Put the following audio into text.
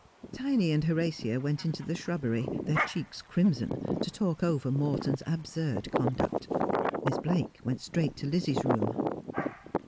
Tiny and Horatia went into the shrubbery, their cheeks crimson, to talk over Morton's absurd conduct. Miss Blake went straight to Lizzie's room.